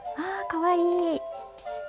かわいい。